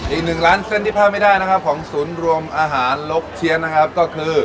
อีกหนึ่งร้านเส้นที่พลาดไม่ได้นะครับของศูนย์รวมอาหารลกเชียนนะครับก็คือ